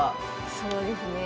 そうですね。